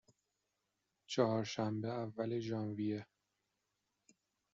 چهارشنبه، اول ژانویه